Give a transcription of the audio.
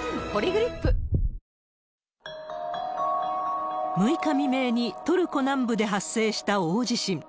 「ポリグリップ」６日未明にトルコ南部で発生した大地震。